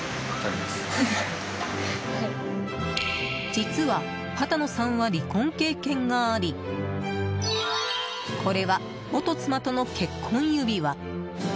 実は畑野さんは離婚経験がありこれは元妻との結婚指輪。